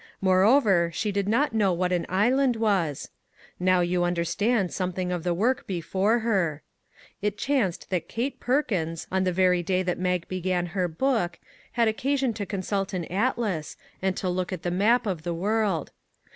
Moreover, she did not know what an island was. Now you understand some thing of the work before her. It chanced that Kate Perkins, on the very day that Mag began her book, had occasion to consult an atlas, and to look at the map of the world.